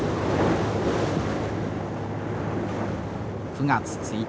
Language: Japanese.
９月１日。